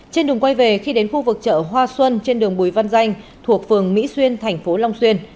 trên đường quay về khi đến khu vực chợ hoa xuân trên đường bùi văn danh thuộc phường mỹ xuyên thành phố long xuyên